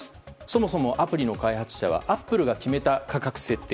そもそもアプリの開発者はアップルが決めた価格設定。